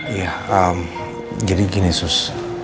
iya jadi gini sus